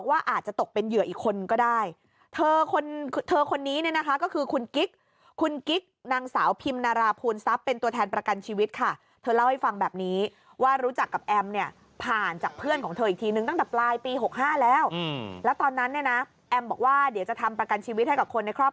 อาจจะตกเป็นเหยื่ออีกคนก็ได้เธอคนเธอคนนี้เนี่ยนะคะก็คือคุณกิ๊กคุณกิ๊กนางสาวพิมนาราภูนทรัพย์เป็นตัวแทนประกันชีวิตค่ะเธอเล่าให้ฟังแบบนี้ว่ารู้จักกับแอมเนี่ยผ่านจากเพื่อนของเธออีกทีนึงตั้งแต่ปลายปี๖๕แล้วแล้วตอนนั้นเนี่ยนะแอมบอกว่าเดี๋ยวจะทำประกันชีวิตให้กับคนในครอบครัว